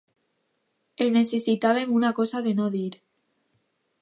El necessitàvem una cosa de no dir